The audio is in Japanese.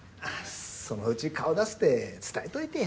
そのうち顔出すって伝えといてよ。